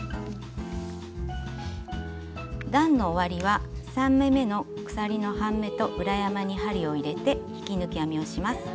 段の終わりは３目めの鎖の半目と裏山に針を入れて引き抜き編みをします。